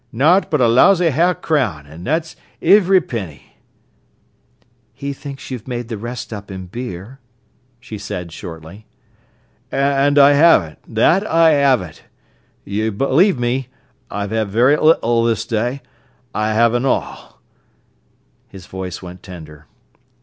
Nowt b'r a lousy hae'f crown, an' that's ivry penny—" "He thinks you've made the rest up in beer," she said shortly. "An' I 'aven't—that I 'aven't. You b'lieve me, I've 'ad very little this day, I have an' all." His voice went tender.